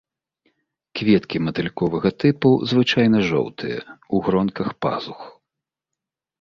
Кветкі матыльковага тыпу, звычайна жоўтыя, у гронках пазух.